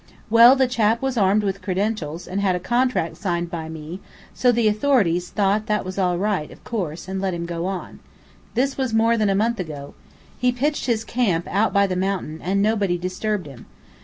Well, the chap was armed with credentials, and had a contract signed by me, so the authorities thought he was all right of course, and let him go on. This was more than a month ago. He pitched his camp out by the mountain, and nobody disturbed him.